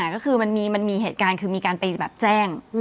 ก็คือมันมีเหตุการณ์คือมีการไปแจ้ง